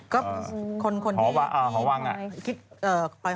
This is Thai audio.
คุณอะไรนะ